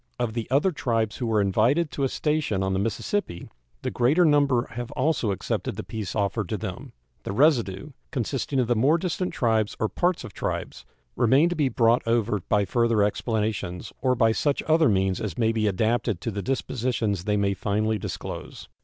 Of the other tribes who were invited to a station on the Mississippi the greater number have also accepted the peace offered to them. The residue, consisting of the more distant tribes or parts of tribes, remain to be brought over by further explanations, or by such other means as may be adapted to the dispositions they may finally disclose.